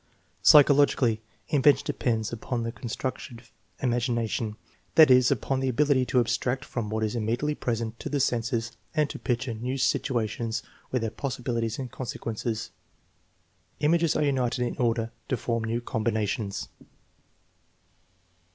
Psychologically, invention depends upon the construc tive imagination; that is, upon the ability to abstract from what is immediately present to the senses and to picture new situations with their possibilities and consequences. Images are united in order to form new combinations.